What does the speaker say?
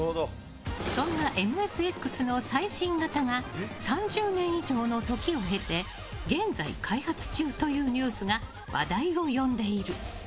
そんなＭＳＸの最新型が３０年以上の時を経て現在、開発中というニュースが話題を呼んでいる。